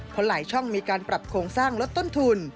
เพราะหลายช่องมีการปรับโครงสร้างลดต้นทุน